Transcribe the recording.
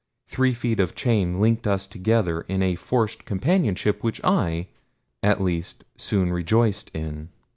Three feet of chain linked us together in a forced companionship which I, at least, soon rejoiced in.